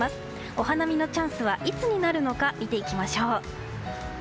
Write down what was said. お花見のチャンスはいつになるのか見ていきましょう。